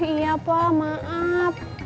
iya pak maaf